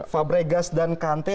fabregas dan kante